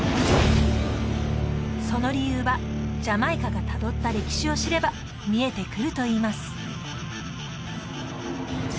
その理由はジャマイカがたどった歴史を知れば見えてくるといいます